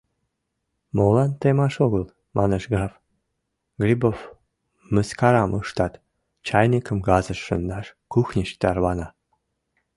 — Молан темаш огыл, манеш граф, — Грибов мыскарам ыштат, чайникым газыш шындаш кухньыш тарвана...